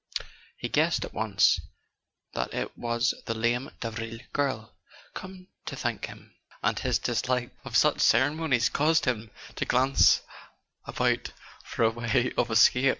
He guessed at once that it was the lame Davril girl, come to thank him; and his dislike of such ceremonies caused him to glance about for a way of escape.